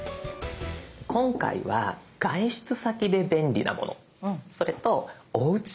今回は外出先で便利なものそれとおうちで便利なもの。